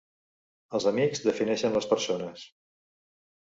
Els amics defineixen les persones.